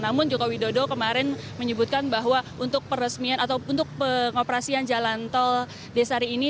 namun joko widodo kemarin menyebutkan bahwa untuk pengoperasian jalan tol desari ini